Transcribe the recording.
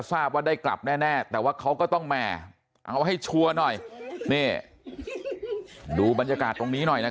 เป็นคนดังเหมือนแน่